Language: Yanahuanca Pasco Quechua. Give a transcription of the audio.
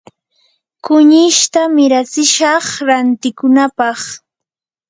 kunishta miratsishaq rantikunapaq.